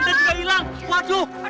tidak ada yang bisa jadi